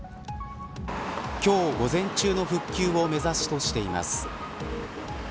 今日、午前中の復旧を目指すとしています。